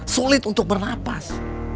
sulit untuk bernafas